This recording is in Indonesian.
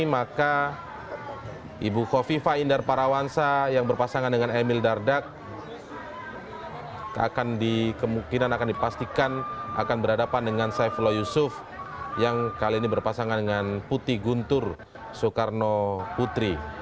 maka ibu kofifa indar parawansa yang berpasangan dengan emil dardak akan di kemungkinan akan dipastikan akan berhadapan dengan saifullah yusuf yang kali ini berpasangan dengan putih guntur soekarno putri